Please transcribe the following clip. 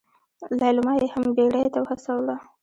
ليلما يې هم بيړې ته وهڅوله.